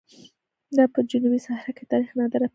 دا په جنوبي صحرا کې د تاریخ نادره پېښه ده.